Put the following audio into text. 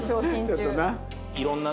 ちょっとな。